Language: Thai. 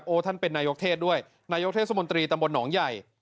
ท่านเป็นนายกเทศด้วยนายกเทศมนตรีตำบลหนองใหญ่